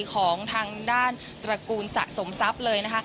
ของทางด้านตระกูลสะสมศัพท์เลย